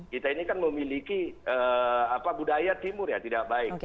kita ini kan memiliki budaya timur ya tidak baik